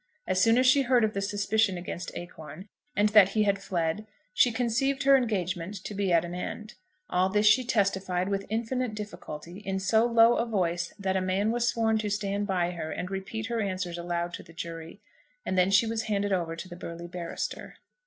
As soon as she heard of the suspicion against Acorn, and that he had fled, she conceived her engagement to be at an end. All this she testified, with infinite difficulty, in so low a voice that a man was sworn to stand by her and repeat her answers aloud to the jury; and then she was handed over to the burly barrister.